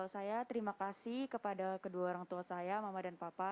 saya terima kasih kepada kedua orang tua saya mama dan papa